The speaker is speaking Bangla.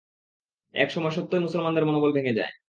এক সময় সত্যই মুসলমানদের মনোবল ভেঙ্গে যায়।